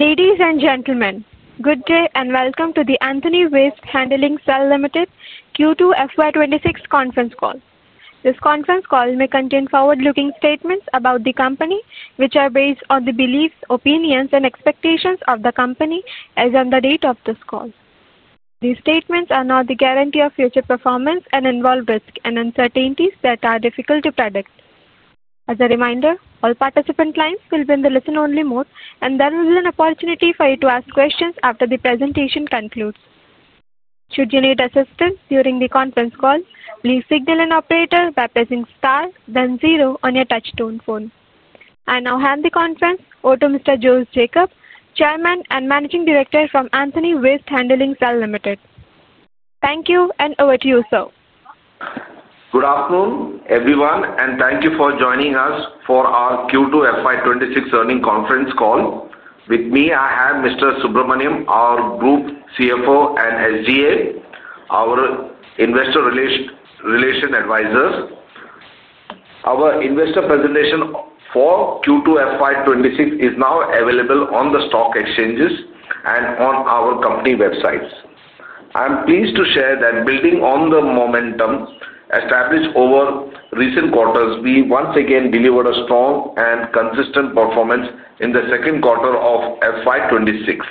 Ladies and gentlemen, good day and welcome to the Antony Waste Handling Cell Limited Q2 FY 2026 conference call. This conference call may contain forward-looking statements about the company, which are based on the beliefs, opinions, and expectations of the company as of the date of this call. These statements are not a guarantee of future performance and involve risks and uncertainties that are difficult to predict. As a reminder, all participant lines will be in the listen-only mode, and there will be an opportunity for you to ask questions after the presentation concludes. Should you need assistance during the conference call, please signal an operator by pressing Star, then Zero on your touch-tone phone. I now hand the conference over to Mr. Jose Jacob Kallarakal, Chairman and Managing Director from Antony Waste Handling Cell Limited. Thank you, and over to you, sir. Good afternoon, everyone, and thank you for joining us for our Q2 FY 2026 earning conference call. With me, I have Mr. N.G. Subramanian, our Group CFO, and SGA, our Investor Relation Advisor. Our Investor Presentation for Q2 FY 2026 is now available on the stock exchanges and on our company websites. I am pleased to share that, building on the momentum established over recent quarters, we once again delivered a strong and consistent performance in the second quarter of FY 2026.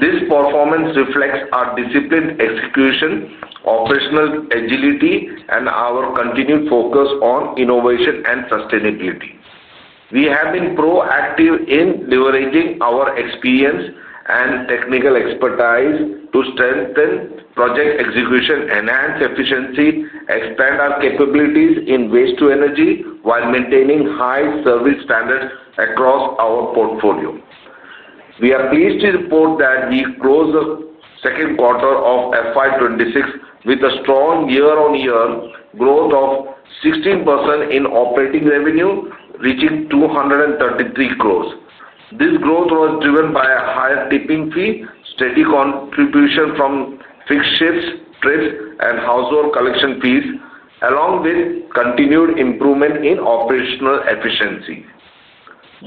This performance reflects our disciplined execution, operational agility, and our continued focus on innovation and sustainability. We have been proactive in leveraging our experience and technical expertise to strengthen project execution, enhance efficiency, and expand our capabilities in waste-to-energy while maintaining high service standards across our portfolio. We are pleased to report that we closed the second quarter of FY 2026 with a strong year-on-year growth of 16% in operating revenue, reaching 233 crore. This growth was driven by a higher tipping fee, steady contribution from fixed shifts, trips, and household collection fees, along with continued improvement in operational efficiency.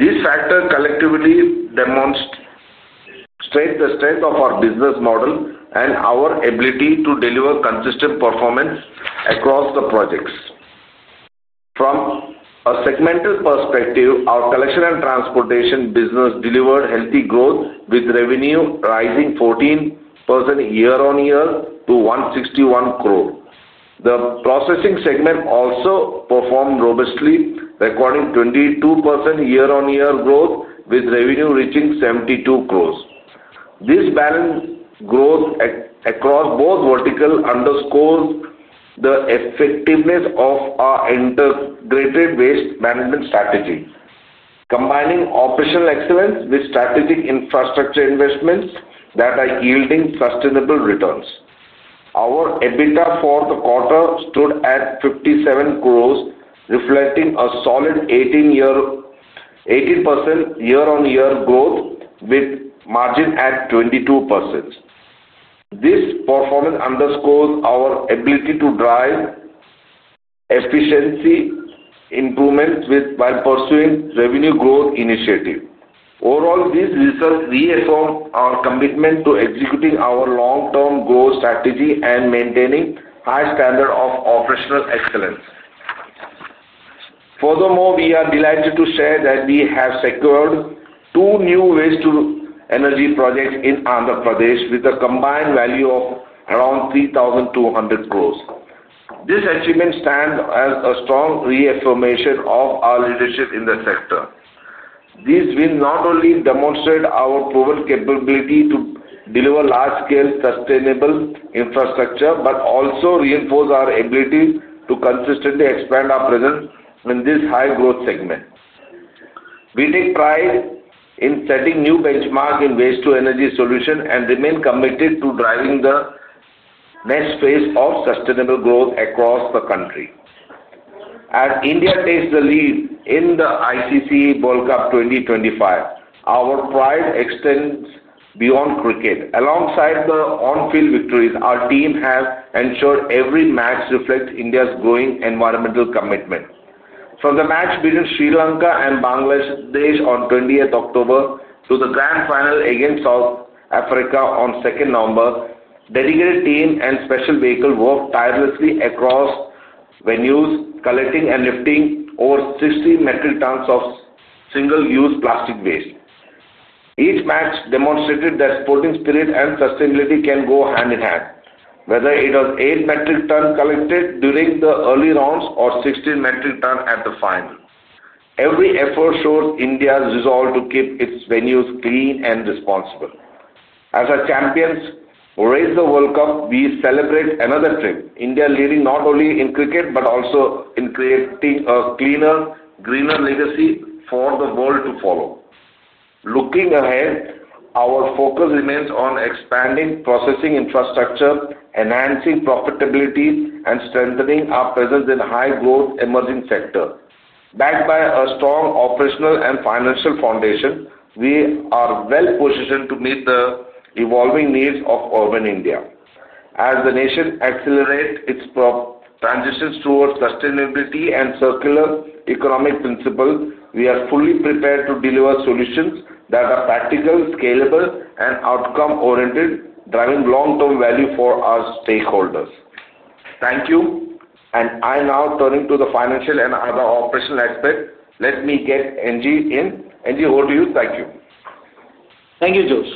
These factors collectively demonstrate the strength of our business model and our ability to deliver consistent performance across the projects. From a segmental perspective, our collection and transportation business delivered healthy growth, with revenue rising 14% year-on-year to 161 crore. The processing segment also performed robustly, recording 22% year-on-year growth, with revenue reaching 72 crore. This balanced growth across both verticals underscores the effectiveness of our integrated waste management strategy, combining operational excellence with strategic infrastructure investments that are yielding sustainable returns. Our EBITDA for the quarter stood at 57 crore, reflecting a solid 18% year-on-year growth, with a margin at 22%. This performance underscores our ability to drive efficiency improvements while pursuing revenue growth initiatives. Overall, these results reaffirm our commitment to executing our long-term growth strategy and maintaining high standards of operational excellence. Furthermore, we are delighted to share that we have secured two new waste-to-energy projects in Andhra Pradesh, with a combined value of around 3,200 crore. This achievement stands as a strong reaffirmation of our leadership in the sector. These wins not only demonstrate our proven capability to deliver large-scale sustainable infrastructure but also reinforce our ability to consistently expand our presence in this high-growth segment. We take pride in setting new benchmarks in waste-to-energy solutions and remain committed to driving the next phase of sustainable growth across the country. As India takes the lead in the ICC World Cup 2025, our pride extends beyond cricket. Alongside the on-field victories, our team has ensured every match reflects India's growing environmental commitment. From the match between Sri Lanka and Bangladesh on 20 October to the Grand Final against South Africa on 2 November, dedicated teams and special vehicles worked tirelessly across venues, collecting and lifting over 60 metric tons of single-use plastic waste. Each match demonstrated that sporting spirit and sustainability can go hand in hand, whether it was 8 metric tons collected during the early rounds or 16 metric tons at the final. Every effort shows India's resolve to keep its venues clean and responsible. As our champions race the World Cup, we celebrate another trip, India leading not only in cricket but also in creating a cleaner, greener legacy for the world to follow. Looking ahead, our focus remains on expanding processing infrastructure, enhancing profitability, and strengthening our presence in high-growth emerging sectors. Backed by a strong operational and financial foundation, we are well-positioned to meet the evolving needs of urban India. As the nation accelerates its transitions towards sustainability and circular economic principles, we are fully prepared to deliver solutions that are practical, scalable, and outcome-oriented, driving long-term value for our stakeholders. Thank you, and I'm now turning to the financial and other operational aspects. Let me get Angie in. N.G., over to you. Thank you. Thank you, Josh.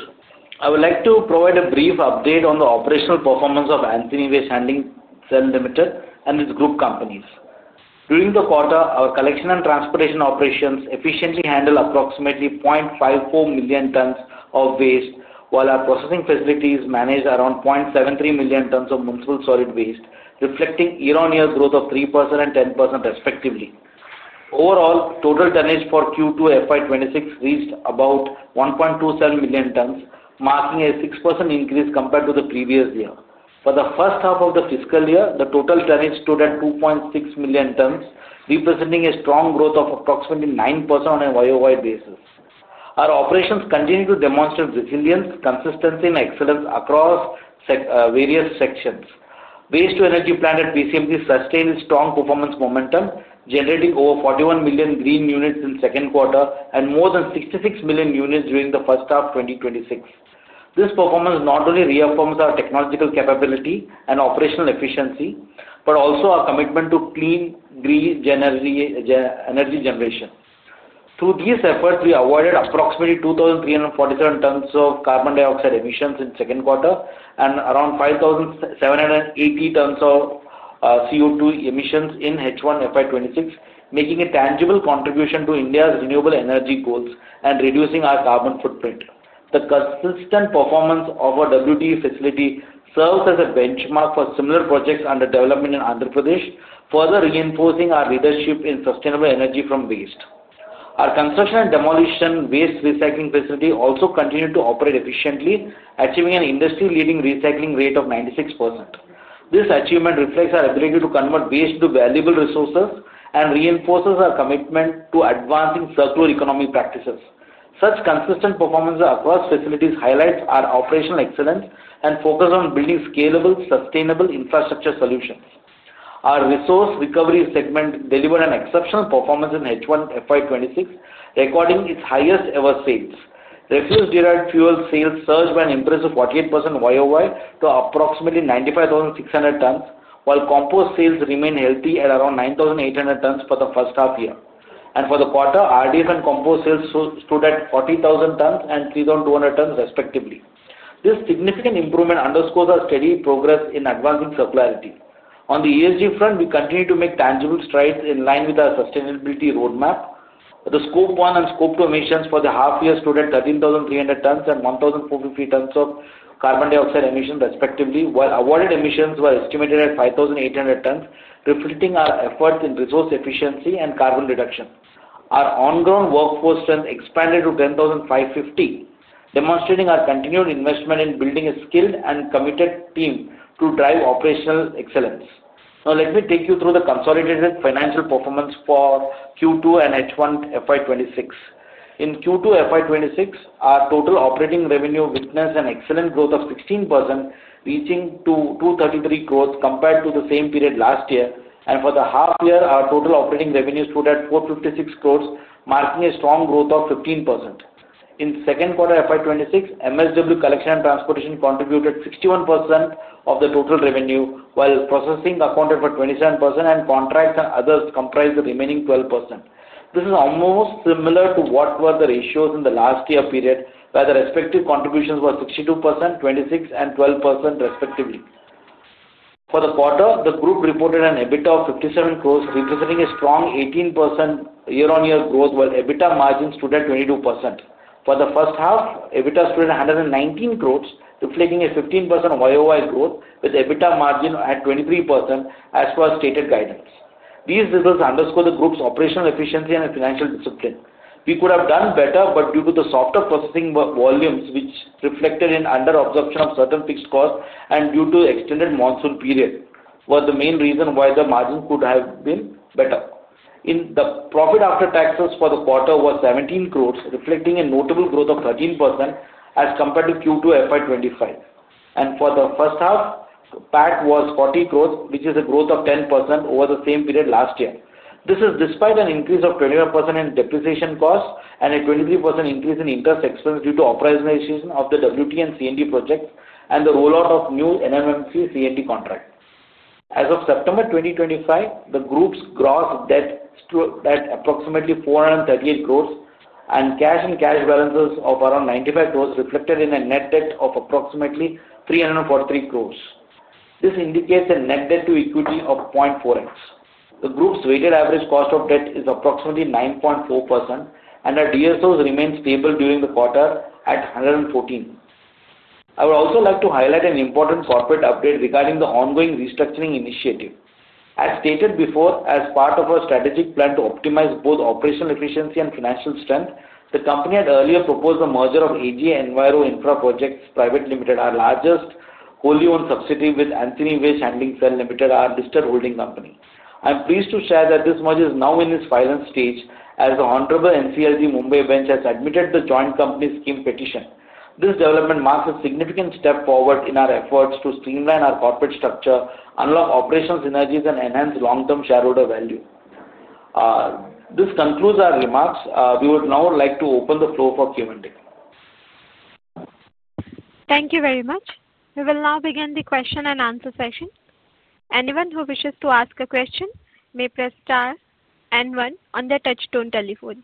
I would like to provide a brief update on the operational performance of Antony Waste Handling Cell Limited and its group companies. During the quarter, our collection and transportation operations efficiently handled approximately 0.54 million tons of waste, while our processing facilities managed around 0.73 million tons of municipal solid waste, reflecting year-on-year growth of 3% and 10%, respectively. Overall, total tonnage for Q2 FY 2026 reached about 1.27 million tons, marking a 6% increase compared to the previous year. For the first half of the fiscal year, the total tonnage stood at 2.6 million tons, representing a strong growth of approximately 9% on a year-over-year basis. Our operations continue to demonstrate resilience, consistency, and excellence across various sections. The waste-to-energy plant at PCMC sustained a strong performance momentum, generating over 41 million green units in the second quarter and more than 66 million units during the first half of 2026. This performance not only reaffirms our technological capability and operational efficiency but also our commitment to clean, green energy generation. Through these efforts, we avoided approximately 2,347 tons of carbon dioxide emissions in the second quarter and around 5,780 tons of CO2 emissions in H1 FY 2026, making a tangible contribution to India's renewable energy goals and reducing our carbon footprint. The consistent performance of our WTE facility serves as a benchmark for similar projects under development in Andhra Pradesh, further reinforcing our leadership in sustainable energy from waste. Our construction and demolition waste recycling facility also continued to operate efficiently, achieving an industry-leading recycling rate of 96%. This achievement reflects our ability to convert waste into valuable resources and reinforces our commitment to advancing circular economic practices. Such consistent performance across facilities highlights our operational excellence and focus on building scalable, sustainable infrastructure solutions. Our resource recovery segment delivered an exceptional performance in H1 FY 2026, recording its highest-ever sales. Refuse-derived fuel sales surged by an impressive 48% year-over-year to approximately 95,600 tons, while compost sales remained healthy at around 9,800 tons for the first half year. For the quarter, RDF and compost sales stood at 40,000 tons and 3,200 tons, respectively. This significant improvement underscores our steady progress in advancing circularity. On the ESG front, we continue to make tangible strides in line with our sustainability roadmap. The Scope 1 and Scope 2 emissions for the half-year stood at 13,300 tons and 1,450 tons of carbon dioxide emissions, respectively, while awarded emissions were estimated at 5,800 tons, reflecting our efforts in resource efficiency and carbon reduction. Our on-ground workforce strength expanded to 10,550, demonstrating our continued investment in building a skilled and committed team to drive operational excellence. Now, let me take you through the consolidated financial performance for Q2 and H1 FY 2026. In Q2 FY 2026, our total operating revenue witnessed an excellent growth of 16%, reaching 2.33 billion compared to the same period last year. For the half-year, our total operating revenue stood at 4.56 billion, marking a strong growth of 15%. In the second quarter of FY 2026, MSW collection and transportation contributed 61% of the total revenue, while processing accounted for 27%, and contracts and others comprised the remaining 12%. This is almost similar to what were the ratios in the last year period, where the respective contributions were 62%, 26%, and 12%, respectively. For the quarter, the group reported an EBITDA of 57 crore, representing a strong 18% year-on-year growth, while EBITDA margins stood at 22%. For the first half, EBITDA stood at 119 crore, reflecting a 15% year-over-year growth, with EBITDA margin at 23%, as per stated guidance. These results underscore the group's operational efficiency and financial discipline. We could have done better, but due to the softer processing volumes, which reflected in under-absorption of certain fixed costs and due to the extended monsoon period, were the main reasons why the margin could have been better. The profit after taxes for the quarter was 17 crore, reflecting a notable growth of 13% as compared to Q2 FY 2025. For the first half, PAT was 40 crore, which is a growth of 10% over the same period last year. This is despite an increase of 21% in depreciation costs and a 23% increase in interest expense due to operationalization of the WTE and C&D projects and the rollout of new NMMC C&D contracts. As of September 2025, the group's gross debt stood at approximately 438 crore, and cash and cash balances of around 95 crore reflected in a net debt of approximately 343 crore. This indicates a net debt-to-equity of 0.4x. The group's weighted average cost of debt is approximately 9.4%, and their DSOs remained stable during the quarter at 114. I would also like to highlight an important corporate update regarding the ongoing restructuring initiative. As stated before, as part of our strategic plan to optimize both operational efficiency and financial strength, the company had earlier proposed the merger of AG Enviro Infra Projects Pvt. Ltd., our largest wholly-owned subsidiary with Antony Waste Handling Cell Limited, our listed holding company. I'm pleased to share that this merger is now in its final stage as the Honorable NCLT Mumbai Bench has admitted the joint company scheme petition. This development marks a significant step forward in our efforts to streamline our corporate structure, unlock operational synergies, and enhance long-term shareholder value. This concludes our remarks. We would now like to open the floor for Q&A. Thank you very much. We will now begin the question-and-answer session. Anyone who wishes to ask a question may press star and one on their touchstone telephone.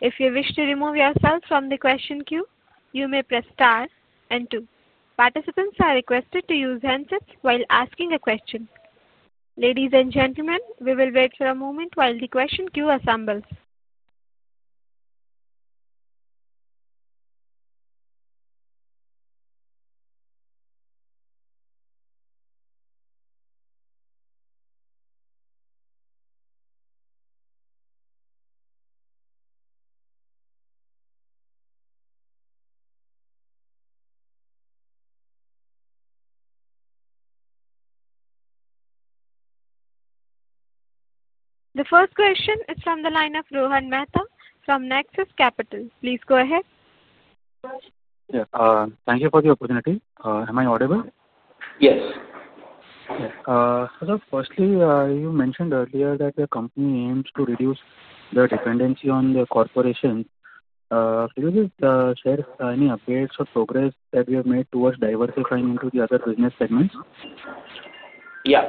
If you wish to remove yourself from the question queue, you may press star and two. Participants are requested to use handsets while asking a question. Ladies and gentlemen, we will wait for a moment while the question queue assembles. The first question is from the line of Rohan Mehta from Nexus Capital. Please go ahead. Yes. Thank you for the opportunity. Am I audible? Yes. Yes. Firstly, you mentioned earlier that your company aims to reduce the dependency on the corporation. Could you share any updates or progress that you have made towards diversifying into the other business segments? Yeah.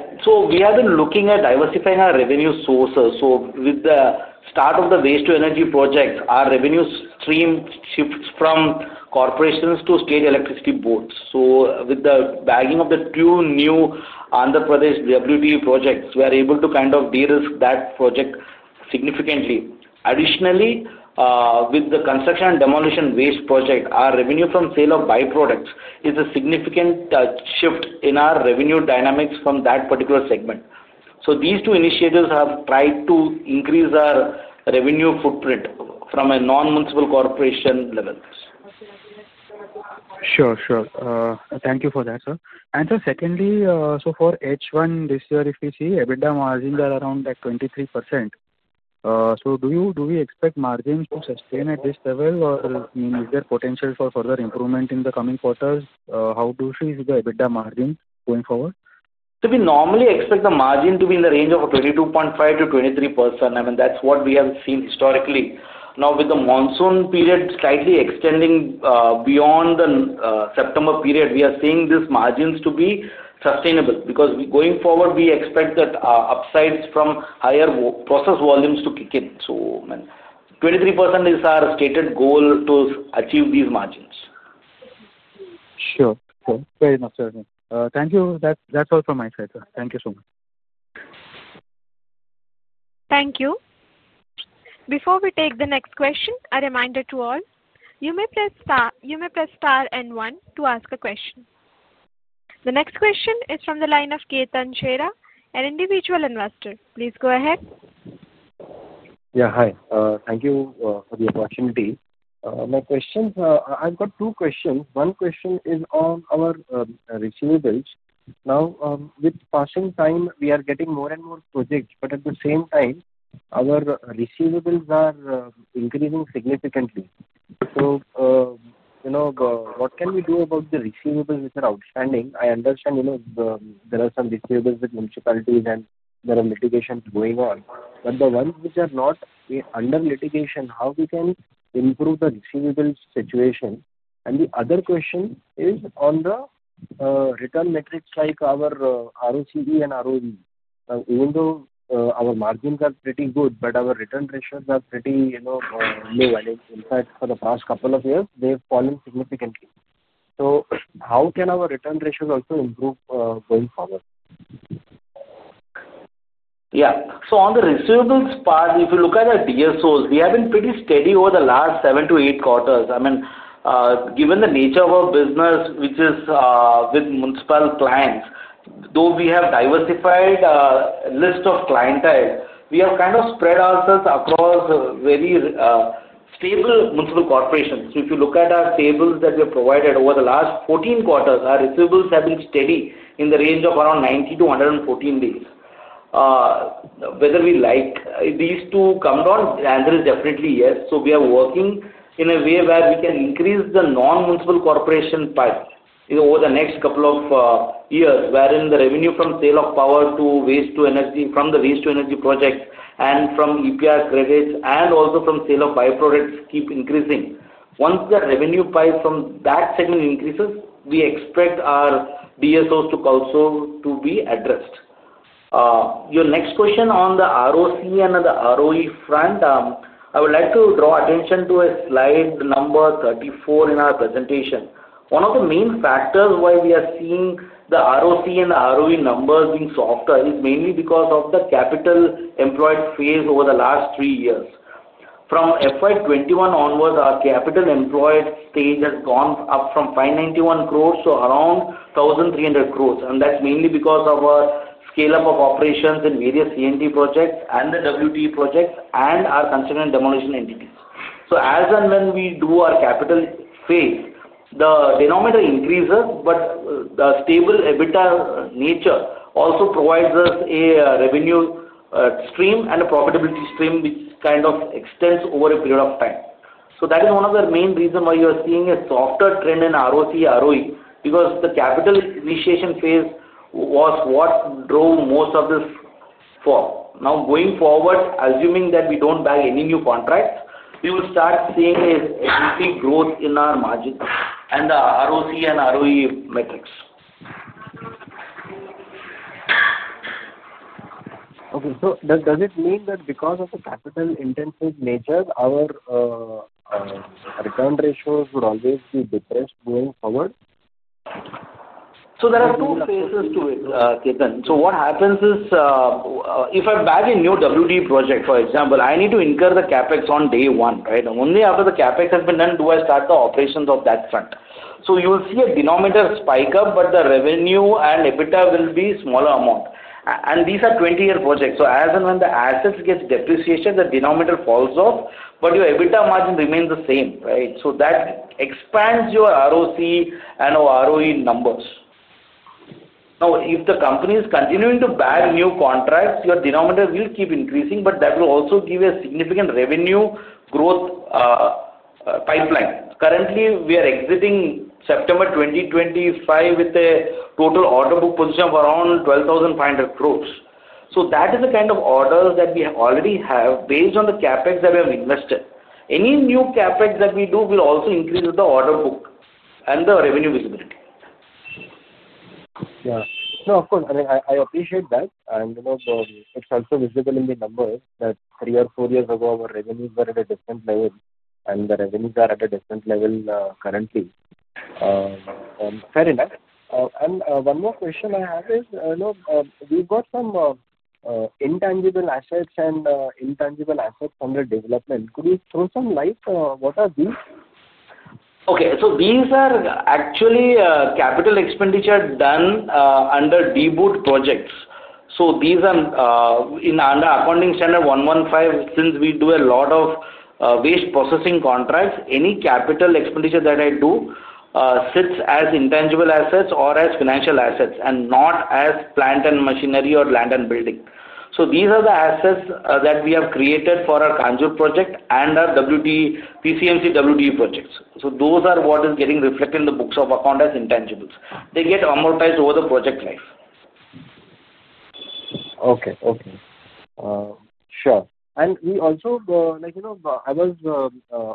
We have been looking at diversifying our revenue sources. With the start of the waste-to-energy projects, our revenue stream shifts from corporations to state electricity boards. With the bagging of the two new Andhra Pradesh WTE projects, we are able to kind of de-risk that project significantly. Additionally, with the construction and demolition waste project, our revenue from sale of byproducts is a significant shift in our revenue dynamics from that particular segment. These two initiatives have tried to increase our revenue footprint from a non-municipal corporation level. Sure, sure. Thank you for that, sir. Secondly, for H1 this year, if we see EBITDA margin is around 23%. Do we expect margins to sustain at this level, or is there potential for further improvement in the coming quarters? How do you see the EBITDA margin going forward? We normally expect the margin to be in the range of 22.5%-23%. I mean, that's what we have seen historically. Now, with the monsoon period slightly extending beyond the September period, we are seeing these margins to be sustainable because going forward, we expect that upsides from higher process volumes to kick in. So 23% is our stated goal to achieve these margins. Sure, sure. Very much, sir. Thank you. That's all from my side, sir. Thank you so much. Thank you. Before we take the next question, a reminder to all, you may press star and one to ask a question. The next question is from the line of Keethan Chera, an individual investor. Please go ahead. Yeah, hi. Thank you for the opportunity. My questions, I've got two questions. One question is on our receivables. Now, with passing time, we are getting more and more projects, but at the same time, our receivables are increasing significantly. What can we do about the receivables which are outstanding? I understand there are some receivables with municipalities, and there are litigations going on. The ones which are not under litigation, how can we improve the receivables situation? The other question is on the return metrics like our ROCE and ROE. Even though our margins are pretty good, our return ratios are pretty low. In fact, for the past couple of years, they have fallen significantly. How can our return ratios also improve going forward? Yeah. So on the receivables part, if you look at our DSOs, we have been pretty steady over the last seven to eight quarters. I mean, given the nature of our business, which is with municipal clients, though we have diversified. A list of clientele, we have kind of spread ourselves across very stable municipal corporations. If you look at our tables that we have provided over the last 14 quarters, our receivables have been steady in the range of around 90-114 days. Whether we like these to come down, the answer is definitely yes. We are working in a way where we can increase the non-municipal corporation part over the next couple of years, wherein the revenue from sale of power to waste-to-energy, from the waste-to-energy project, and from EPR credits, and also from sale of byproducts keep increasing. Once the revenue pie from that segment increases, we expect our DSOs to also be addressed. Your next question on the ROCE and the ROE front, I would like to draw attention to slide number 34 in our presentation. One of the main factors why we are seeing the ROCE and the ROE numbers being softer is mainly because of the capital employed phase over the last three years. From FY 2021 onwards, our capital employed stage has gone up from 591 crore to around 1,300 crore. That is mainly because of our scale-up of operations in various C&D projects and the WTE projects and our construction and demolition entities. As and when we do our capital phase, the denominator increases, but the stable EBITDA nature also provides us a revenue stream and a profitability stream which kind of extends over a period of time. That is one of the main reasons why you are seeing a softer trend in ROCE, ROE, because the capital initiation phase was what drove most of this for now. Going forward, assuming that we do not bag any new contracts, we will start seeing a significant growth in our margins and the ROCE and ROE metrics. Okay. So does it mean that because of the capital-intensive nature, our return ratios would always be depressed going forward? There are two phases to it, Keethan. What happens is, if I bag a new WTE project, for example, I need to incur the CapEx on day one, right? Only after the CapEx has been done do I start the operations of that front. You will see a denominator spike up, but the revenue and EBITDA will be a smaller amount. These are 20-year projects. As and when the assets get depreciated, the denominator falls off, but your EBITDA margin remains the same, right? That expands your ROCE and ROE numbers. Now, if the company is continuing to bag new contracts, your denominator will keep increasing, but that will also give you a significant revenue growth pipeline. Currently, we are exiting September 2025 with a total order book position of around 12,500 crore. That is the kind of orders that we already have based on the CapEx that we have invested. Any new CapEx that we do will also increase the order book and the revenue visibility. Yeah. No, of course. I mean, I appreciate that. And it's also visible in the numbers that three or four years ago, our revenues were at a different level, and the revenues are at a different level currently. Fair enough. One more question I have is, we've got some intangible assets and intangible assets under development. Could you throw some light? What are these? Okay. These are actually capital expenditures done under D-Board projects. These are under Accounting Standard 115, since we do a lot of waste processing contracts, any capital expenditure that I do sits as intangible assets or as financial assets and not as plant and machinery or land and building. These are the assets that we have created for our Khanjur project and our PCMC WTE projects. Those are what is getting reflected in the books of account as intangibles. They get amortized over the project life. Okay, okay. Sure. I was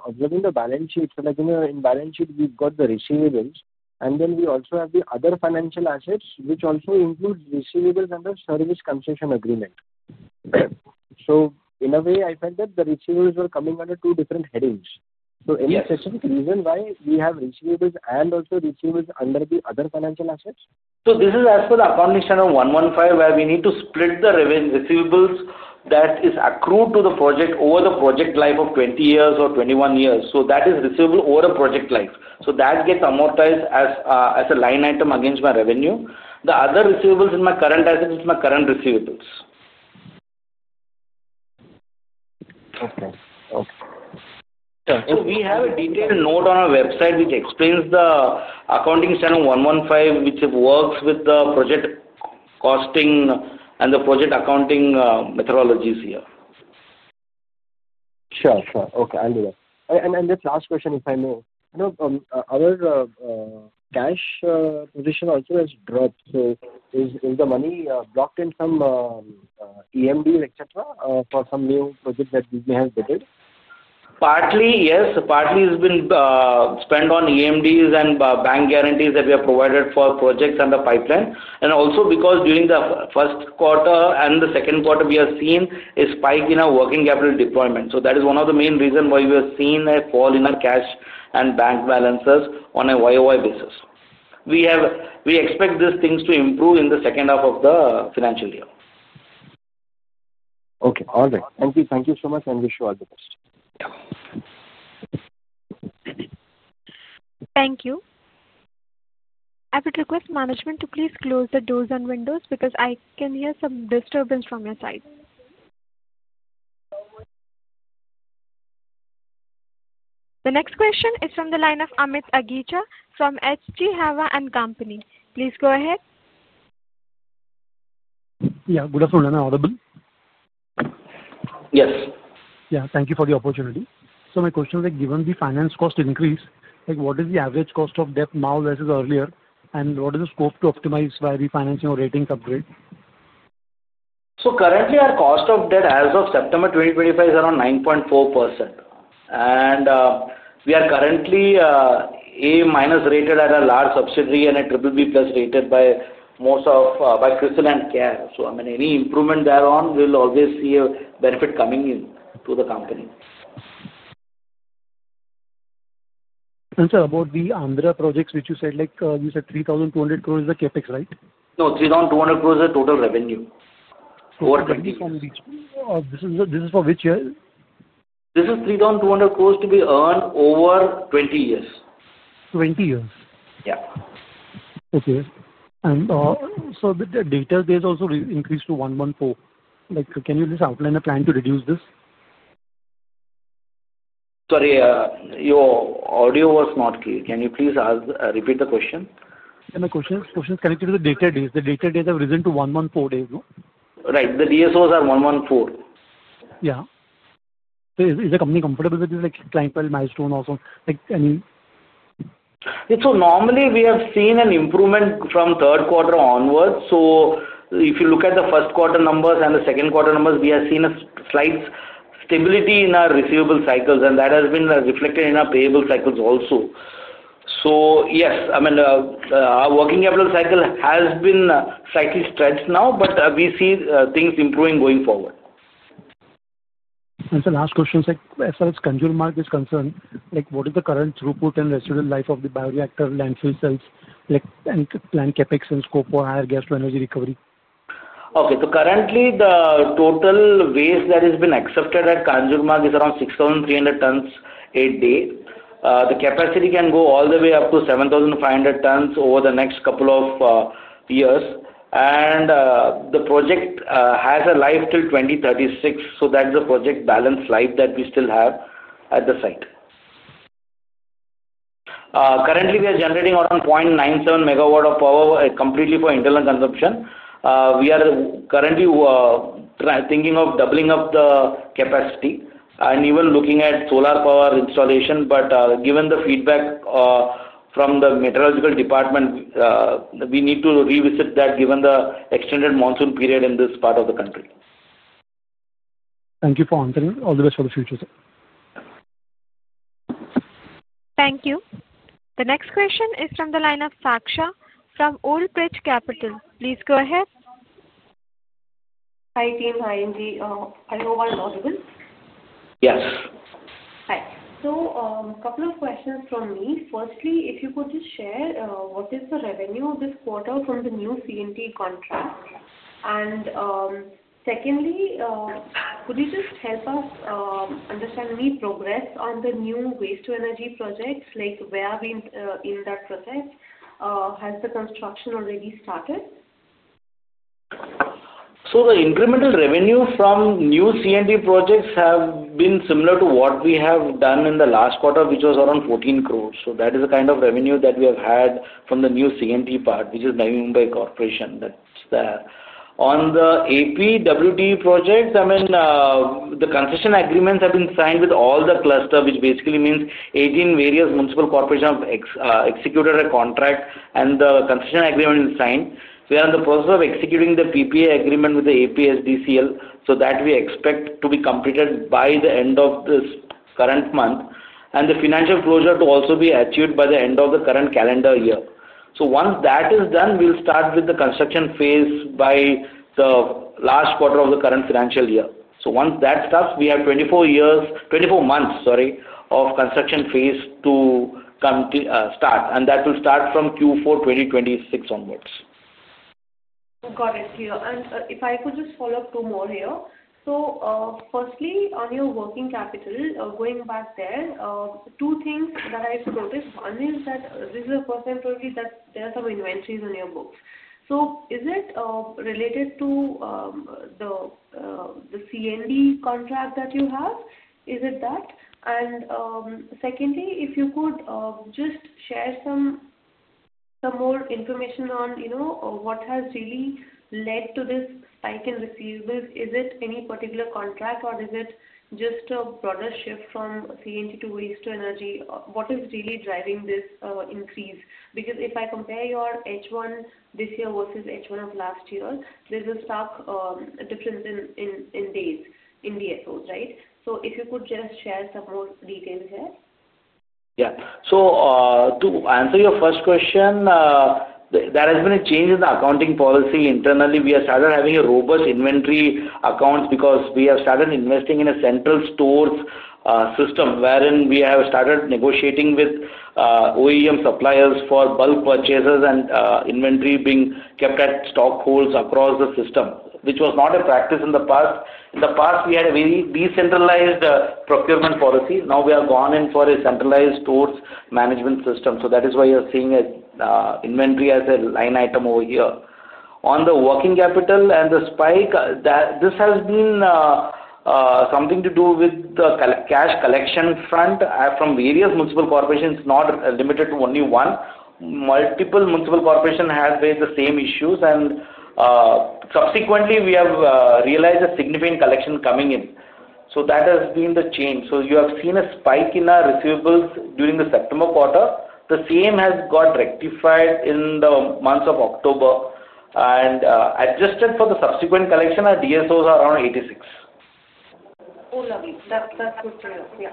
observing the balance sheet, so in the balance sheet, we've got the receivables, and then we also have the other financial assets, which also include receivables under service concession agreement. In a way, I felt that the receivables were coming under two different headings. Any specific reason why we have receivables and also receivables under the other financial assets? This is as per the Accounting Standard 115, where we need to split the receivables that are accrued to the project over the project life of 20 years or 21 years. That is receivable over a project life. That gets amortized as a line item against my revenue. The other receivables in my current assets are my current receivables. Okay, okay. We have a detailed note on our website which explains Accounting Standard 115, which works with the project costing and the project accounting methodologies here. Sure, sure. Okay, I'll do that. This last question, if I may. Our cash position also has dropped. Is the money blocked in some EMDs, etc., for some new projects that we may have debted? Partly, yes. Partly has been spent on EMDs and bank guarantees that we have provided for projects and the pipeline. Also, because during the first quarter and the second quarter, we have seen a spike in our working capital deployment. That is one of the main reasons why we have seen a fall in our cash and bank balances on a YOY basis. We expect these things to improve in the second half of the financial year. Okay, all right. Thank you. Thank you so much, and wish you all the best. Thank you. I would request management to please close the doors and windows because I can hear some disturbance from your side. The next question is from the line of Amit Agicha from HG Hawa & Company. Please go ahead. Yeah, good afternoon. I'm audible. Yes. Yeah, thank you for the opportunity. So my question is, given the finance cost increase, what is the average cost of debt now versus earlier, and what is the scope to optimize by refinancing or rating upgrade? Currently, our cost of debt as of September 2025 is around 9.4%. We are currently A-rated at a large subsidiary and BBB+ rated by CRISIL and CARE. I mean, any improvement thereon will always see a benefit coming into the company. Sir, about the Andhra projects which you said, you said 3,200 crore is the CapEx, right? No, 3,200 crore is the total revenue. Over 20 years. This is for which year? This is 3,200 crore to be earned over 20 years. 20 years? Yeah. Okay. The data is also increased to 114. Can you just outline a plan to reduce this? Sorry, your audio was not clear. Can you please repeat the question? The question is connected to the data days. The data days have risen to 114 days, no? Right. The DSOs are 114. Yeah. Is the company comfortable with this client-file milestone also? Normally, we have seen an improvement from third quarter onwards. If you look at the first quarter numbers and the second quarter numbers, we have seen a slight stability in our receivable cycles, and that has been reflected in our payable cycles also. Yes, I mean, our working capital cycle has been slightly stretched now, but we see things improving going forward. As far as Khanjur Mark is concerned, what is the current throughput and residual life of the bioreactor landfill cells and plan CapEx and scope for higher gas-to-energy recovery? Okay. Currently, the total waste that has been accepted at Khanjur Mark is around 6,300 tons a day. The capacity can go all the way up to 7,500 tons over the next couple of years. The project has a life till 2036. That is the project balance life that we still have at the site. Currently, we are generating around 0.97 megawatts of power completely for internal consumption. We are currently thinking of doubling up the capacity and even looking at solar power installation. Given the feedback from the meteorological department, we need to revisit that given the extended monsoon period in this part of the country. Thank you for answering. All the best for the future, sir. Thank you. The next question is from the line of Saaksha, from Old Bridge Capital. Please go ahead. Hi team, hi N.G. Are you all audible? Yes. Hi. A couple of questions from me. Firstly, if you could just share what is the revenue this quarter from the new C&T contract. Secondly, could you just help us understand any progress on the new waste-to-energy projects? Where are we in that project? Has the construction already started? The incremental revenue from new C&T projects has been similar to what we have done in the last quarter, which was around 140 million. That is the kind of revenue that we have had from the new C&T part, which is by Mumbai Corporation. On the AP WTE projects, I mean, the concession agreements have been signed with all the clusters, which basically means 18 various municipal corporations have executed a contract, and the concession agreement is signed. We are in the process of executing the PPA agreement with the APSDCL. We expect that to be completed by the end of this current month, and the financial closure to also be achieved by the end of the current calendar year. Once that is done, we will start with the construction phase by the last quarter of the current financial year. Once that starts, we have 24 months of construction phase to start, and that will start from Q4 2026 onwards. Got it. If I could just follow up, two more here. Firstly, on your working capital, going back there, two things that I've noticed. One is that this is a question probably that there are some inventories on your books. Is it related to the C&D contract that you have? Is it that? Secondly, if you could just share some more information on what has really led to this spike in receivables, is it any particular contract, or is it just a broader shift from C&T to waste-to-energy? What is really driving this increase? If I compare your H1 this year versus H1 of last year, there is a stark difference in days, in DSOs, right? If you could just share some more details here. Yeah. To answer your first question. There has been a change in the accounting policy internally. We have started having a robust inventory account because we have started investing in a central stores system wherein we have started negotiating with OEM suppliers for bulk purchases and inventory being kept at stock holds across the system, which was not a practice in the past. In the past, we had a very decentralized procurement policy. Now we have gone in for a centralized storage management system. That is why you are seeing inventory as a line item over here. On the working capital and the spike, this has been something to do with the cash collection front from various municipal corporations, not limited to only one. Multiple municipal corporations have faced the same issues. Subsequently, we have realized a significant collection coming in. That has been the change. You have seen a spike in our receivables during the September quarter. The same has got rectified in the months of October. Adjusted for the subsequent collection, our DSOs are around 86. Oh, lovely. That's good to know. Yeah.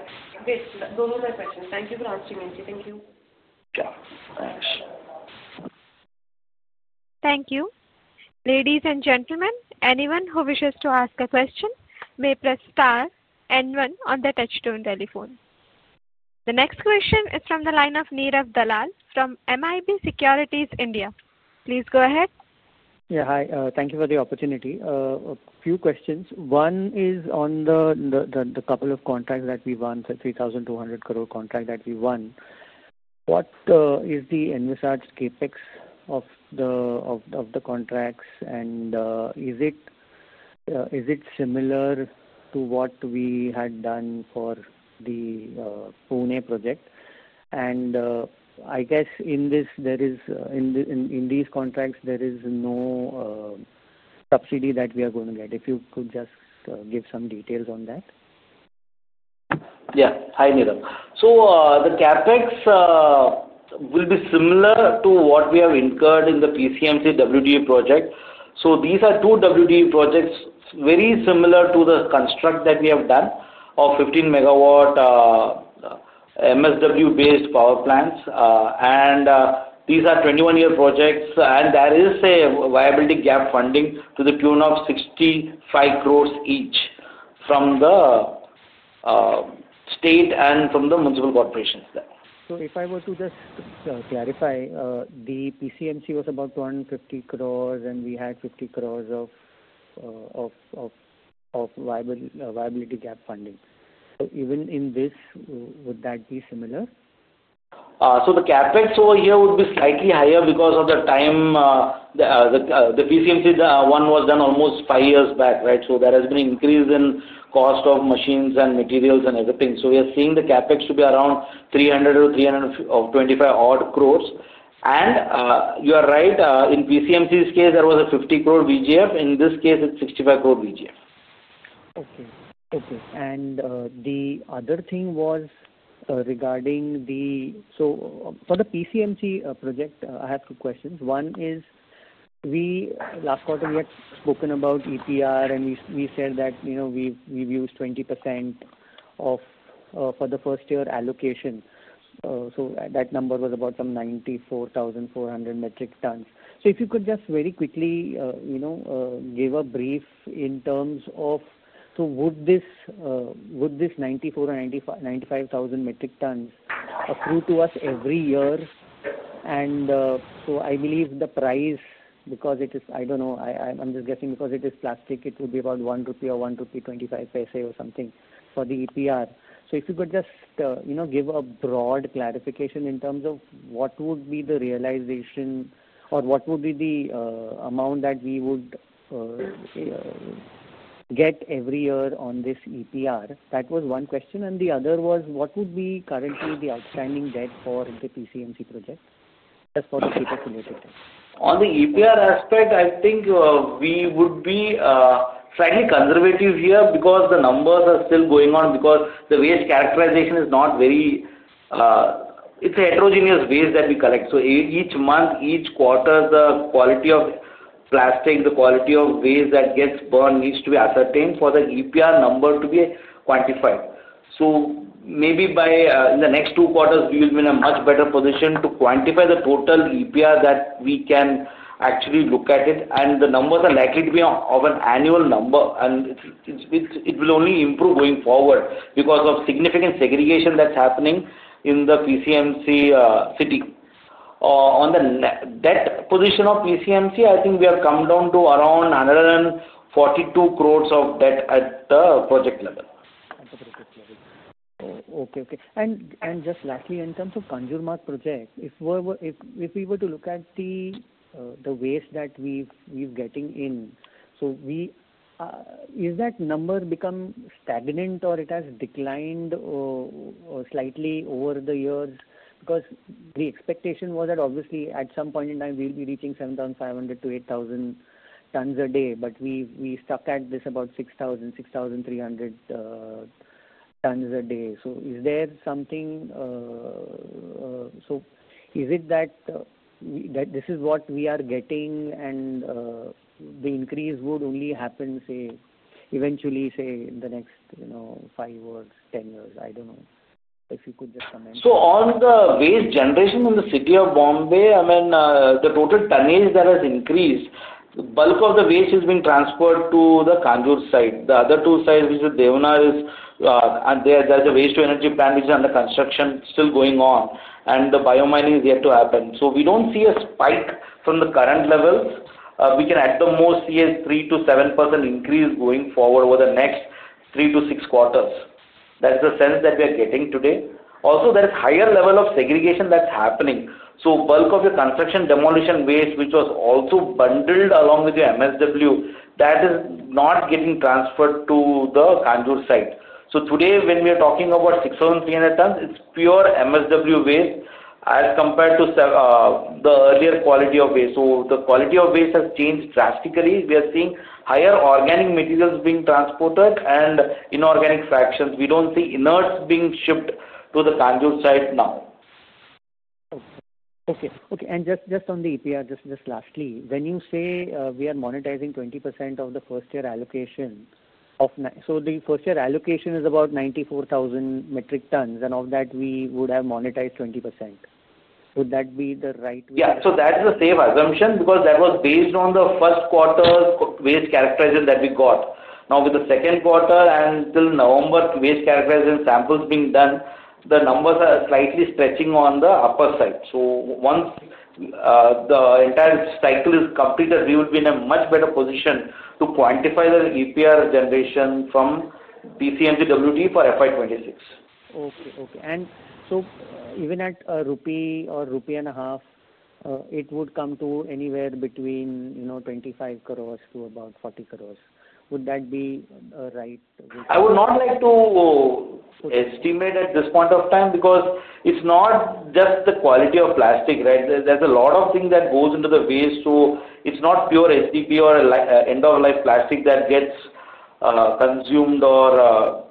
Those are my questions. Thank you for asking, Indy. Thank you. Sure. Thanks. Thank you. Ladies and gentlemen, anyone who wishes to ask a question may press star and one on the touchstone telephone. The next question is from the line of Neerav Dalal from MIB Securities India. Please go ahead. Yeah, hi. Thank you for the opportunity. A few questions. One is on the couple of contracts that we won, the 3,200 crore contract that we won. What is the NVSART's CapEx of the contracts? Is it similar to what we had done for the Pune project? I guess in these contracts, there is no subsidy that we are going to get. If you could just give some details on that. Yeah. Hi, Neerav. The CapEx will be similar to what we have incurred in the PCMC WTE project. These are two WTE projects very similar to the construct that we have done of 15 MW MSW-based power plants. These are 21-year projects. There is a viability gap funding to the tune of 650,000,000 each from the state and from the municipal corporations. If I were to just clarify, the PCMC was about 150 crore, and we had 50 crore of viability gap funding. Even in this, would that be similar? The CapEx over here would be slightly higher because of the time. The PCMC one was done almost five years back, right? There has been an increase in the cost of machines and materials and everything. We are seeing the CapEx to be around 300 crore-325 crore. You are right. In PCMC's case, there was a 50 crore VGF. In this case, it is 65 crore VGF. Okay. Okay. The other thing was regarding the—so for the PCMC project, I have two questions. One is, last quarter, we had spoken about EPR, and we said that we've used 20% for the first-year allocation. That number was about 94,400 metric tons. If you could just very quickly give a brief in terms of—so would this 94,000 or 95,000 metric tons accrue to us every year? I believe the price, because it is—I don't know, I'm just guessing—because it is plastic, it would be about 1 rupee or 1.25 rupee or something for the EPR. If you could just give a broad clarification in terms of what would be the realization or what would be the amount that we would get every year on this EPR, that was one question. The other was, what would be currently the outstanding debt for the PCMC project, just for the CapEx-related. On the EPR aspect, I think we would be slightly conservative here because the numbers are still going on. Because the waste characterization is not very— It's a heterogeneous waste that we collect. Each month, each quarter, the quality of plastic, the quality of waste that gets burned needs to be ascertained for the EPR number to be quantified. Maybe by the next two quarters, we will be in a much better position to quantify the total EPR that we can actually look at. The numbers are likely to be of an annual number. It will only improve going forward because of significant segregation that's happening in the PCMC city. On the debt position of PCMC, I think we have come down to around 142 crore of debt at the project level. Okay. Okay. Just lastly, in terms of Khanjur Mark project, if we were to look at the waste that we're getting in, is that number become stagnant or has it declined slightly over the years? Because the expectation was that, obviously, at some point in time, we would be reaching 7,500-8,000 tons a day, but we are stuck at about 6,000-6,300 tons a day. Is there something—is it that this is what we are getting and the increase would only happen, say, eventually, in the next five years, 10 years? I don't know. If you could just comment. On the waste generation in the city of Bombay, I mean, the total tonnage that has increased, the bulk of the waste has been transferred to the Kanjur site. The other two sites, which are Deonar, and there's a waste-to-energy plant which is under construction, still going on. The biomining is yet to happen. We do not see a spike from the current levels. We can, at the most, see a 3%-7% increase going forward over the next three to six quarters. That's the sense that we are getting today. Also, there is a higher level of segregation that's happening. The bulk of the construction and demolition waste, which was also bundled along with the MSW, that is not getting transferred to the Kanjur site. Today, when we are talking about 6,300 tons, it's pure MSW waste as compared to the earlier quality of waste. The quality of waste has changed drastically. We are seeing higher organic materials being transported and inorganic fractions. We do not see inerts being shipped to the Kanjur site now. Okay. Okay. Just on the EPR, just lastly, when you say we are monetizing 20% of the first-year allocation of—so the first-year allocation is about 94,000 metric tons, and of that, we would have monetized 20%. Would that be the right way? Yeah. That is a safe assumption because that was based on the first quarter waste characterization that we got. Now, with the second quarter and till November waste characterization samples being done, the numbers are slightly stretching on the upper side. Once the entire cycle is completed, we would be in a much better position to quantify the EPR generation from PCMC WTE for FY 2026. Okay. Okay. Even at a rupee or a rupee and a half, it would come to anywhere between 250 million to about 400 million. Would that be right? I would not like to estimate at this point of time because it's not just the quality of plastic, right? There's a lot of things that goes into the waste. So it's not pure STP or end-of-life plastic that gets consumed or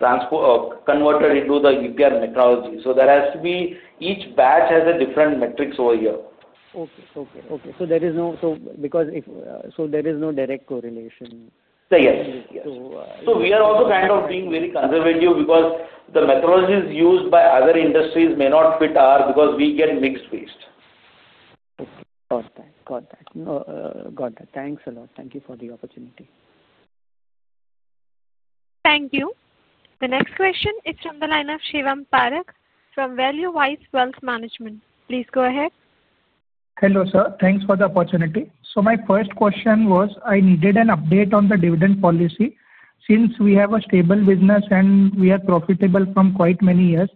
converted into the EPR methodology. There has to be—each batch has a different metrics over here. Okay. Okay. Okay. There is no—because if—there is no direct correlation. Yes. Yes. We are also kind of being very conservative because the methodologies used by other industries may not fit ours because we get mixed waste. Okay. Got that. Thanks a lot. Thank you for the opportunity. Thank you. The next question is from the line of Shivam Parak from ValueWise Wealth Management. Please go ahead. Hello, sir. Thanks for the opportunity. My first question was, I needed an update on the dividend policy since we have a stable business and we are profitable from quite many years.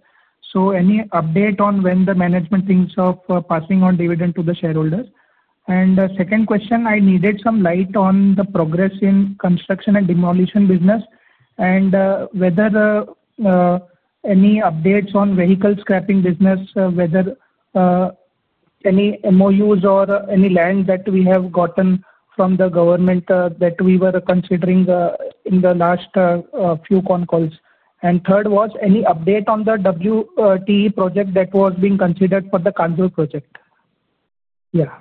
Any update on when the management thinks of passing on dividend to the shareholders? My second question, I needed some light on the progress in construction and demolition business and whether any updates on vehicle scrapping business, whether any MOUs or any land that we have gotten from the government that we were considering in the last few con calls. My third was, any update on the WTE project that was being considered for the Khanjur project? Yeah.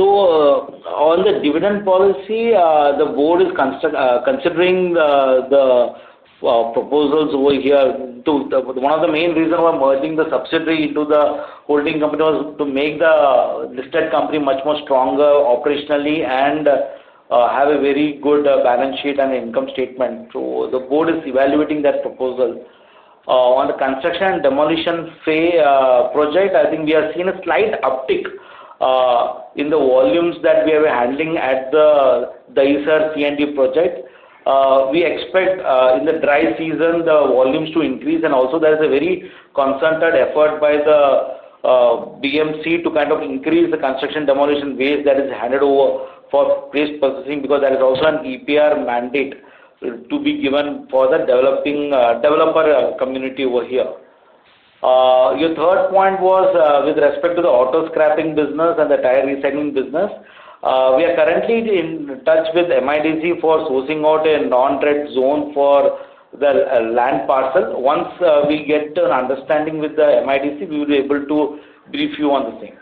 On the dividend policy, the board is considering the proposals over here. One of the main reasons for merging the subsidiary into the holding company was to make the listed company much stronger operationally and have a very good balance sheet and income statement. The board is evaluating that proposal. On the construction and demolition project, I think we are seeing a slight uptick in the volumes that we are handling at the Daiser C&D project. We expect in the dry season, the volumes to increase. There is a very concentrated effort by the BMC to kind of increase the construction demolition waste that is handed over for waste processing because there is also an EPR mandate to be given for the developer community over here. Your third point was with respect to the auto scrapping business and the tire reselling business. We are currently in touch with MIDC for sourcing out a non-red zone for the land parcel. Once we get an understanding with the MIDC, we will be able to brief you on the thing.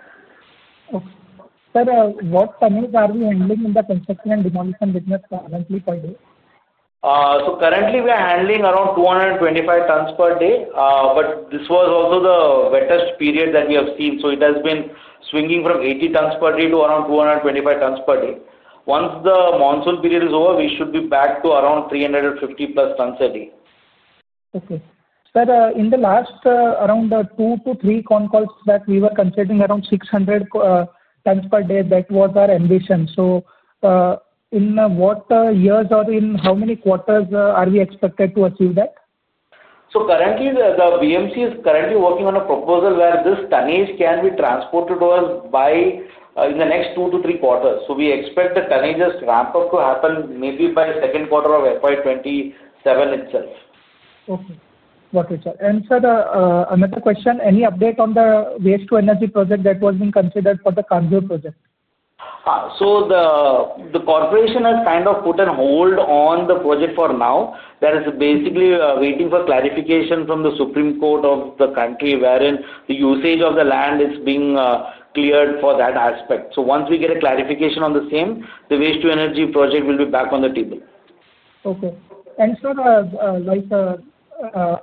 Okay. Sir, what tonnes are we handling in the construction and demolition business currently per day? Currently, we are handling around 225 tons per day. This was also the wettest period that we have seen. It has been swinging from 80 tons per day to around 225 tons per day. Once the monsoon period is over, we should be back to around 350+ tons a day. Okay. Sir, in the last around two to three con calls that we were considering around 600 tons per day, that was our ambition. In what years or in how many quarters are we expected to achieve that? Currently, the BMC is working on a proposal where this tonnage can be transported over in the next two to three quarters. We expect the tonnage ramp-up to happen maybe by second quarter of FY 2027 itself. Okay. Got it, sir. Sir, another question, any update on the waste-to-energy project that was being considered for the Khanjur project? The corporation has kind of put a hold on the project for now. There is basically waiting for clarification from the Supreme Court of the country wherein the usage of the land is being cleared for that aspect. Once we get a clarification on the same, the waste-to-energy project will be back on the table. Okay. Sir, like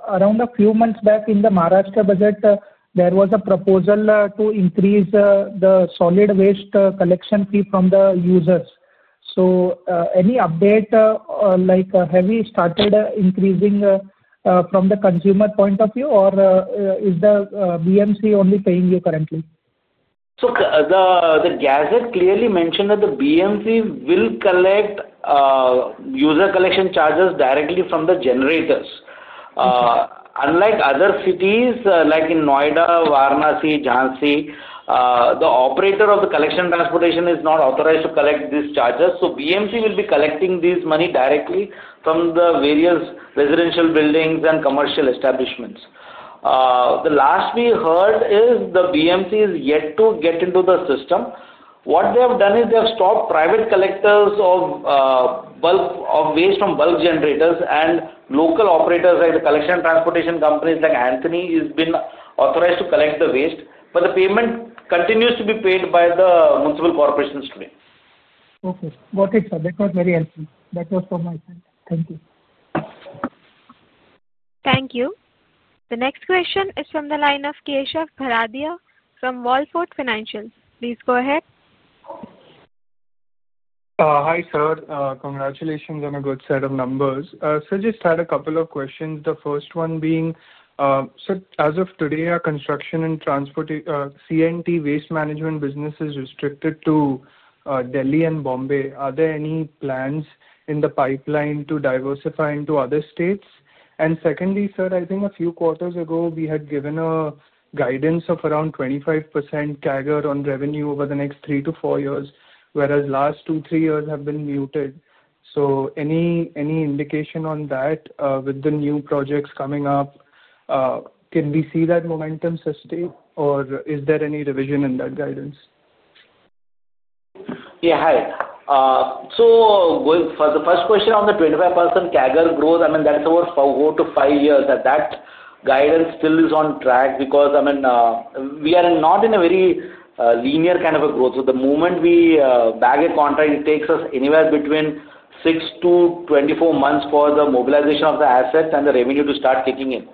around a few months back in the Maharashtra budget, there was a proposal to increase the solid waste collection fee from the users. Any update? Like, have you started increasing from the consumer point of view, or is the BMC only paying you currently? The gazette clearly mentioned that the BMC will collect user collection charges directly from the generators. Unlike other cities like in Noida, Varanasi, Jhansi, the operator of the collection transportation is not authorized to collect these charges. BMC will be collecting this money directly from the various residential buildings and commercial establishments. The last we heard is the BMC is yet to get into the system. What they have done is they have stopped private collectors of waste from bulk generators, and local operators like the collection transportation companies like Antony have been authorized to collect the waste. The payment continues to be paid by the municipal corporations today. Okay. Got it, sir. That was very helpful. That was from my side. Thank you. Thank you. The next question is from the line of Keshav Bharadia from Wallfort Financial. Please go ahead. Hi, sir. Congratulations on a good set of numbers. Sir, just had a couple of questions. The first one being, sir, as of today, our construction and transport C&T waste management business is restricted to Delhi and Bombay. Are there any plans in the pipeline to diversify into other states? Secondly, sir, I think a few quarters ago, we had given a guidance of around 25% CAGR on revenue over the next three to four years, whereas the last two, three years have been muted. Any indication on that with the new projects coming up? Can we see that momentum sustained, or is there any revision in that guidance? Yeah. Hi. For the first question on the 25% CAGR growth, I mean, that's over four to five years. That guidance still is on track because, I mean, we are not in a very linear kind of a growth. The moment we bag a contract, it takes us anywhere between 6-24 months for the mobilization of the assets and the revenue to start kicking in.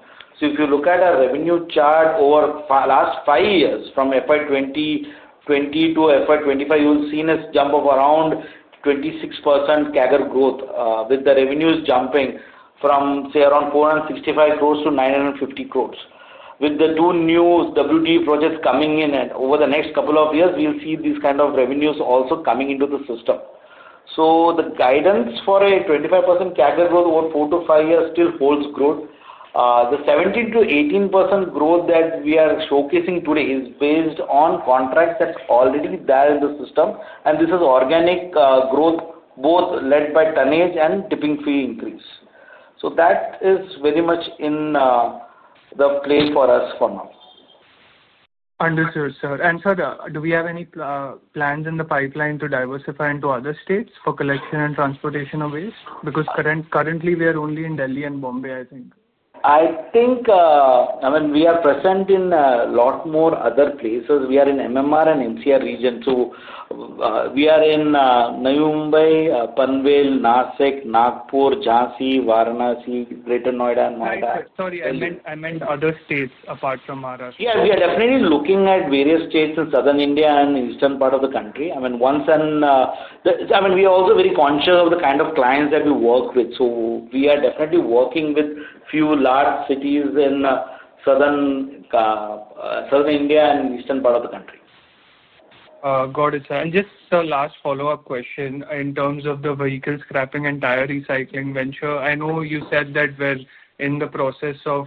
If you look at our revenue chart over the last five years from FY 2020 to FY 2025, you will see a jump of around 26% CAGR growth with the revenues jumping from, say, around 465 crore to 950 crore. With the two new WTE projects coming in, over the next couple of years, we will see these kinds of revenues also coming into the system. The guidance for a 25% CAGR growth over four to five years still holds growth. The 17%-18% growth that we are showcasing today is based on contracts that are already there in the system. This is organic growth, both led by tonnage and tipping fee increase. That is very much in the play for us for now. Understood, sir. Sir, do we have any plans in the pipeline to diversify into other states for collection and transportation of waste? Because currently, we are only in Delhi and Bombay, I think. I think, I mean, we are present in a lot more other places. We are in MMR and MCR region. We are in Navi Mumbai, Panvel, Nashik, Nagpur, Jhansi, Varanasi, Greater Noida, and Noida. Sorry, I meant other states apart from Maharashtra. Yeah. We are definitely looking at various states in southern India and eastern part of the country. I mean, once, and I mean, we are also very conscious of the kind of clients that we work with. So we are definitely working with a few large cities in southern India and eastern part of the country. Got it, sir. Just a last follow-up question in terms of the vehicle scrapping and tire recycling venture. I know you said that we're in the process of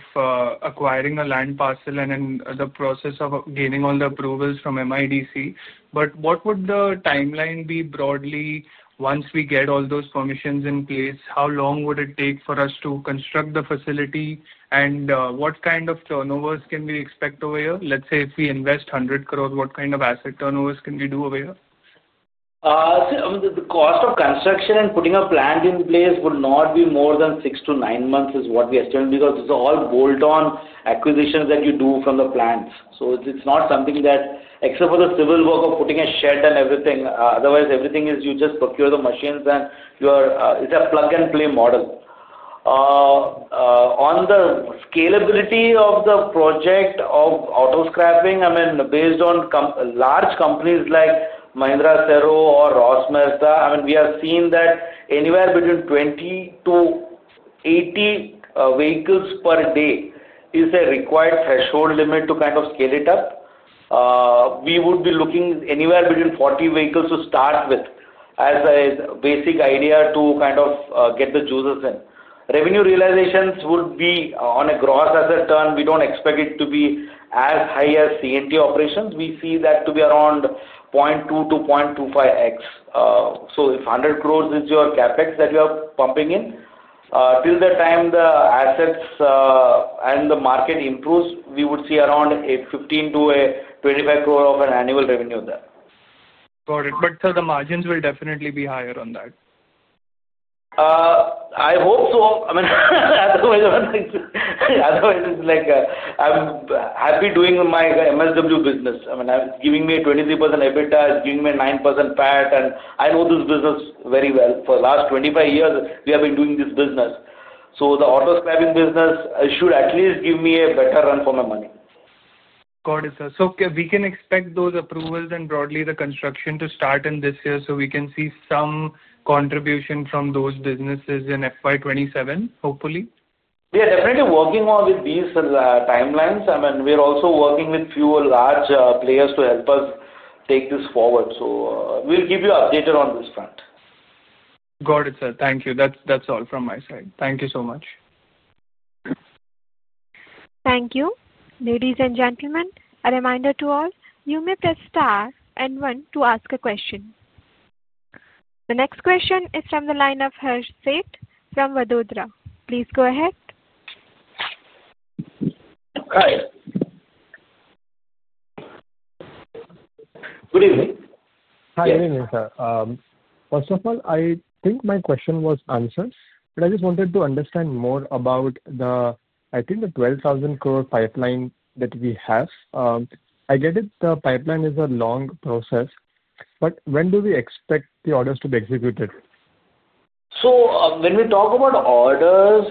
acquiring a land parcel and in the process of gaining all the approvals from MIDC. What would the timeline be broadly once we get all those permissions in place? How long would it take for us to construct the facility? What kind of turnovers can we expect over here? Let's say if we invest 1,000,000,000, what kind of asset turnovers can we do over here? See, I mean, the cost of construction and putting a plant in place would not be more than six to nine months is what we estimate because it's all bolt-on acquisitions that you do from the plants. It's not something that, except for the civil work of putting a shed and everything, otherwise, everything is you just procure the machines, and it's a plug-and-play model. On the scalability of the project of auto scrapping, I mean, based on large companies like Mahindra Sero or Ross Mertha, I mean, we have seen that anywhere between 20-80 vehicles per day is a required threshold limit to kind of scale it up. We would be looking anywhere between 40 vehicles to start with as a basic idea to kind of get the juices in. Revenue realizations would be on a gross asset turn. We don't expect it to be as high as C&T operations. We see that to be around 0.2x-0.25x. If 1,000,000,000 is your CapEx that you are pumping in, till the time the assets and the market improve, we would see around an 150,000,000-250,000,000 of an annual revenue there. Got it. Sir, the margins will definitely be higher on that. I hope so. I mean, otherwise. It's like I'm happy doing my MSW business. I mean, giving me a 23% EBITDA, it's giving me a 9% PAT. And I know this business very well. For the last 25 years, we have been doing this business. So the auto scrapping business should at least give me a better run for my money. Got it, sir. We can expect those approvals and broadly the construction to start in this year, so we can see some contribution from those businesses in FY 2027, hopefully? We are definitely working on with these timelines. I mean, we are also working with a few large players to help us take this forward. We will keep you updated on this front. Got it, sir. Thank you. That's all from my side. Thank you so much. Thank you. Ladies and gentlemen, a reminder to all, you may press star and one to ask a question. The next question is from the line of [Harseth] from [Vadodara]. Please go ahead. Hi. Good evening. Hi. Good evening, sir. First of all, I think my question was answered, but I just wanted to understand more about the, I think, the 12,000 crore pipeline that we have. I get it the pipeline is a long process. When do we expect the orders to be executed? When we talk about orders,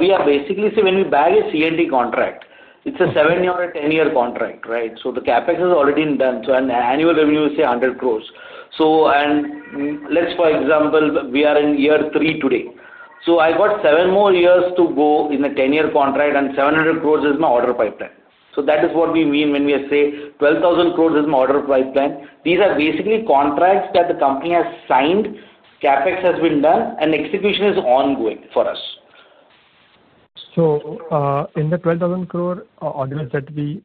we are basically say when we bag a C&T contract, it's a seven-year or a ten-year contract, right? The CapEx is already done. An annual revenue is, say, 1 billion. For example, we are in year three today. I have seven more years to go in a ten-year contract, and 7 billion is my order pipeline. That is what we mean when we say 12 billion is my order pipeline. These are basically contracts that the company has signed, CapEx has been done, and execution is ongoing for us. In the 12,000 crore orders that we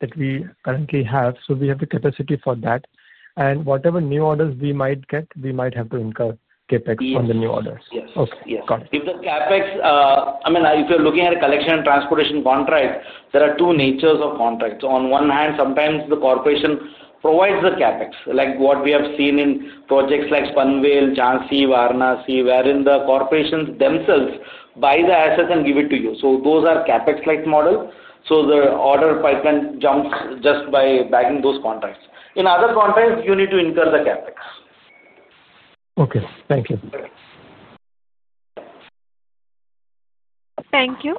currently have, we have the capacity for that. Whatever new orders we might get, we might have to incur CapEx on the new orders. Yes. Okay. Got it. If the CapEx, I mean, if you're looking at a collection and transportation contract, there are two natures of contracts. On one hand, sometimes the corporation provides the CapEx, like what we have seen in projects like Panvel, Jhansi, Varanasi, wherein the corporations themselves buy the assets and give it to you. So those are CapEx-like models. The order pipeline jumps just by bagging those contracts. In other contracts, you need to incur the CapEx. Okay. Thank you. Thank you.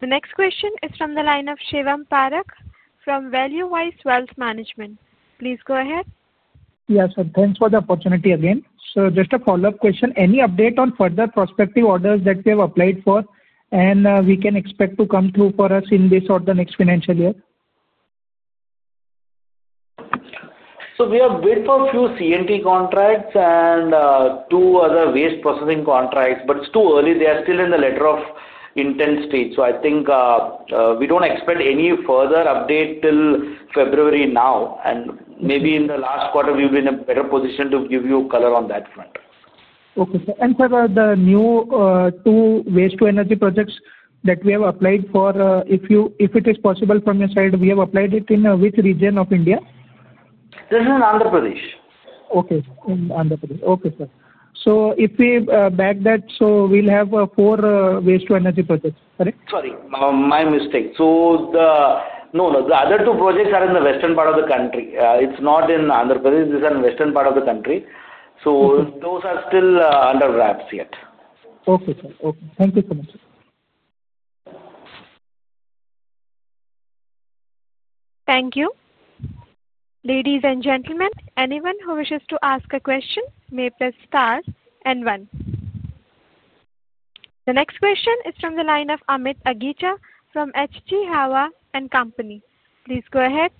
The next question is from the line of Shivam Parak from ValueWise Wealth Management. Please go ahead. Yes, sir. Thanks for the opportunity again. Sir, just a follow-up question. Any update on further prospective orders that we have applied for, and we can expect to come through for us in this or the next financial year? We have bid for a few C&T contracts and two other waste processing contracts. It's too early. They are still in the letter of intent stage. I think we don't expect any further update till February now. Maybe in the last quarter, we'll be in a better position to give you color on that front. Okay, sir. And sir, the new two waste-to-energy projects that we have applied for, if it is possible from your side, we have applied it in which region of India? This is in Andhra Pradesh. Okay. In Andhra Pradesh. Okay, sir. If we bag that, we'll have four waste-to-energy projects, correct? Sorry, my mistake. No, no. The other two projects are in the western part of the country. It's not in Andhra Pradesh. It's in the western part of the country. Those are still under wraps yet. Okay, sir. Okay. Thank you so much. Thank you. Ladies and gentlemen, anyone who wishes to ask a question may press star and one. The next question is from the line of Amit Aghicha from HG Hawa & Company. Please go ahead.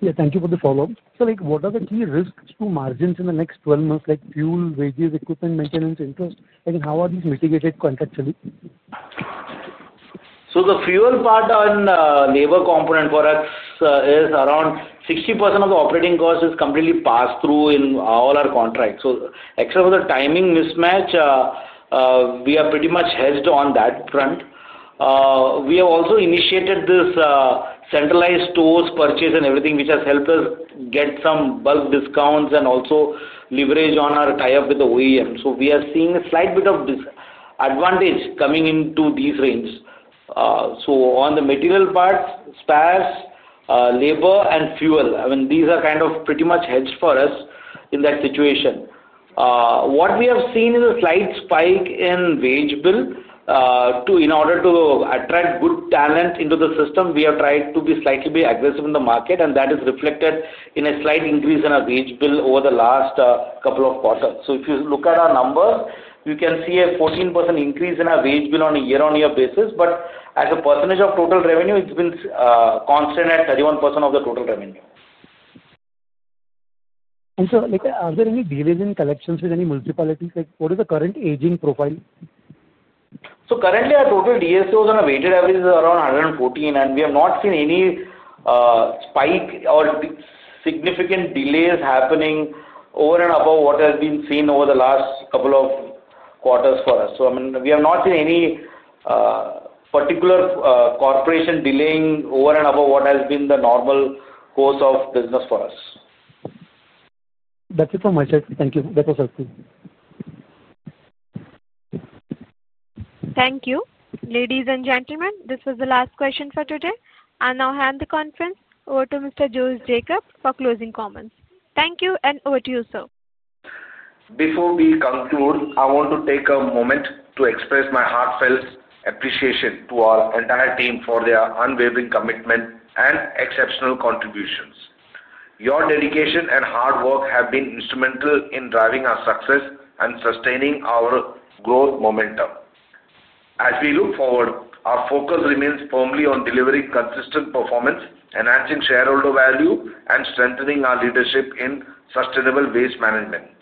Yeah. Thank you for the follow-up. Sir, what are the key risks to margins in the next 12 months, like fuel, wages, equipment maintenance, interest? I mean, how are these mitigated contractually? The fuel part and labor component for us is around 60% of the operating cost and is completely passed through in all our contracts. Except for the timing mismatch, we are pretty much hedged on that front. We have also initiated this centralized stores purchase and everything, which has helped us get some bulk discounts and also leverage on our tie-up with the OEM. We are seeing a slight bit of advantage coming into these ranges. On the material part, spares, labor, and fuel, I mean, these are kind of pretty much hedged for us in that situation. What we have seen is a slight spike in wage bill. In order to attract good talent into the system, we have tried to be slightly aggressive in the market, and that is reflected in a slight increase in our wage bill over the last couple of quarters. If you look at our numbers, you can see a 14% increase in our wage bill on a year-on-year basis. As a percentage of total revenue, it has been constant at 31% of the total revenue. Sir, are there any delays in collections with any municipalities? What is the current aging profile? Currently, our total DSOs on a weighted average is around 114, and we have not seen any spike or significant delays happening over and above what has been seen over the last couple of quarters for us. I mean, we have not seen any particular corporation delaying over and above what has been the normal course of business for us. That's it from my side. Thank you. That was helpful. Thank you. Ladies and gentlemen, this was the last question for today. I now hand the conference over to Mr. Jose Jacob Kallarakal for closing comments. Thank you. Over to you, sir. Before we conclude, I want to take a moment to express my heartfelt appreciation to our entire team for their unwavering commitment and exceptional contributions. Your dedication and hard work have been instrumental in driving our success and sustaining our growth momentum. As we look forward, our focus remains firmly on delivering consistent performance, enhancing shareholder value, and strengthening our leadership in sustainable waste management.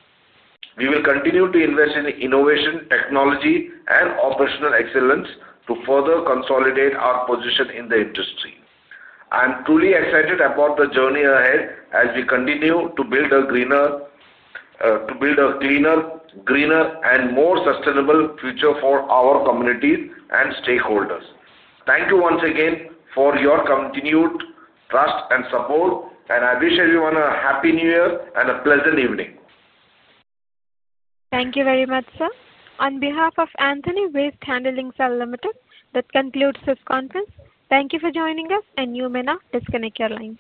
We will continue to invest in innovation, technology, and operational excellence to further consolidate our position in the industry. I am truly excited about the journey ahead as we continue to build a cleaner, greener, and more sustainable future for our communities and stakeholders. Thank you once again for your continued trust and support, and I wish everyone a happy New Year and a pleasant evening. Thank you very much, sir. On behalf of Antony Waste Handling Cell Limited, that concludes this conference. Thank you for joining us, and you may now disconnect your line.